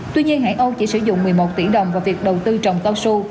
tuy nhiên hãng âu chỉ sử dụng một mươi một tỷ đồng vào việc đầu tư trồng cao su